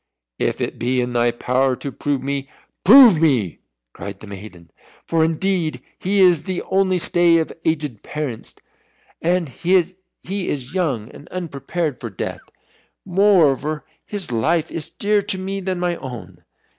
"If it be in thy power to prove me prove me!" cried the maiden; "for indeed he is the only stay of aged parents, and he is young and unprepared for death. Moreover his life is dearer to me than my own."